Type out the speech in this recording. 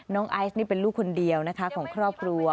ไอซ์นี่เป็นลูกคนเดียวนะคะของครอบครัว